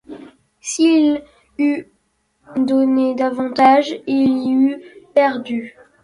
S’il eût donné davantage, il y eût perdu.